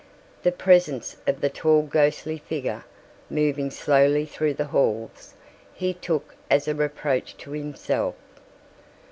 The presence of the tall ghostly figure, moving slowly through the halls, he took as a reproach to himself.